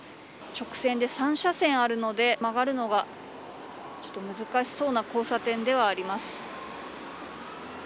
直線で３車線あるので曲がるのがちょっと難しそうな交差点ではあります。